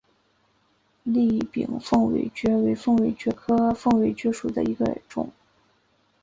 栗柄凤尾蕨为凤尾蕨科凤尾蕨属下的一个种。